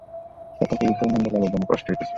কথা কহিতেও নন্দলালের যেন কষ্ট হইতেছিল।